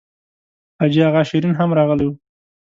حاجي اغا شېرین هم راغلی و.